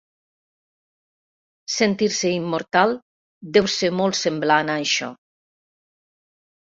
Sentir-se immortal deu ser molt semblant a això.